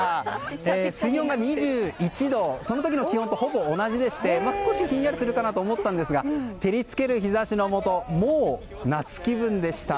水温が２１度と、その時の気温とほぼ同じでして少しひんやりするかなと思ったんですが照りつける日差しのもともう夏気分でした。